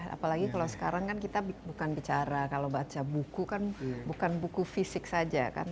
apalagi kalau sekarang kan kita bukan bicara kalau baca buku kan bukan buku fisik saja kan